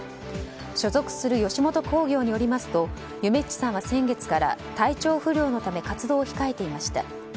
所属する吉本興業によりますとゆめっちさんは先月から体調不良のため活動を控えていました。